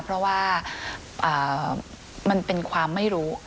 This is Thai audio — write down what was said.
เพราะว่ามันเป็นความไม่รู้